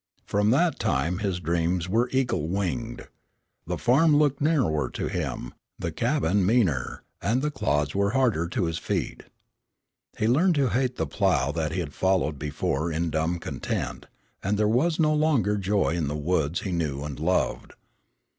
From that time his dreams were eagle winged. The farm looked narrower to him, the cabin meaner, and the clods were harder to his feet. He learned to hate the plough that he had followed before in dumb content, and there was no longer joy in the woods he knew and loved.